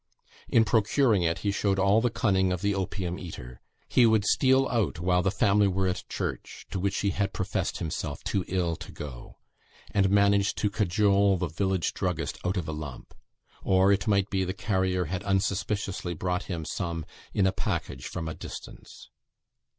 In procuring it he showed all the cunning of the opium eater. He would steal out while the family were at church to which he had professed himself too ill to go and manage to cajole the village druggist out of a lump; or, it might be, the carrier had unsuspiciously brought him some in a packet from a distance.